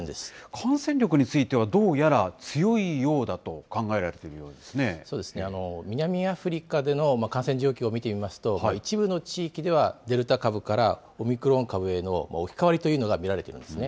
感染力については、どうやら強いようだと考えられているよう南アフリカの感染状況を見てみますと、一部の地域では、デルタ株からオミクロン株への置き換わりというのが見られているんですね。